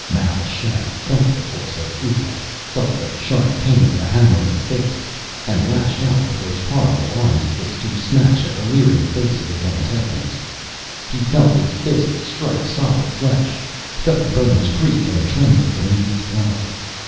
Mal Shaff felt the force of Ouglat, felt the sharp pain of a hammering fist, and lashed out with those horrible arms of his to smash at the leering face of his antagonist. He felt his fists strike solid flesh, felt the bones creak and tremble beneath his blow.